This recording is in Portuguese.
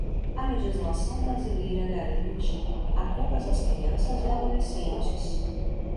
A legislação brasileira garante, a todas as crianças e adolescentes